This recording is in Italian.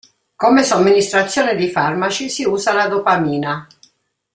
Come somministrazione di farmaci si usa la dopamina.